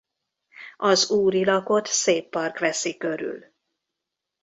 Az úrilakot szép park veszi körül.